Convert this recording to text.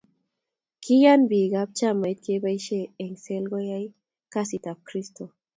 Kiyan biik ab chamait keboisie eng sel koyay kasit ab kristo